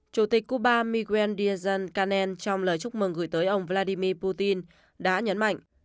chủ tịch cuba miguel diesel canel trong lời chúc mừng gửi tới ông vladimir putin đã nhấn mạnh